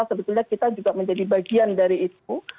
sebetulnya kita juga menjadi bagian dari itu